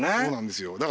そうなんですよ。